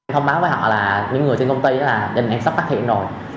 thông báo với họ là những người trên công ty là bên em sắp phát hiện rồi